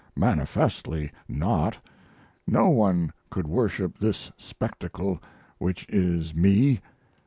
manifestly not! No one could worship this spectacle which is Me.